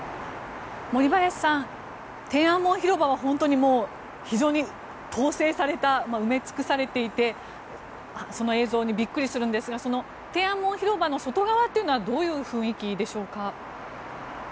森林さん、天安門広場は本当に非常に統制された埋め尽くされていてその映像にびっくりするんですが天安門広場の外側というのはどういう雰囲気でしょうか？